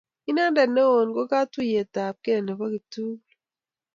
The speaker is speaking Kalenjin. Inendet newon en katuyet ab kee nebo kiptulut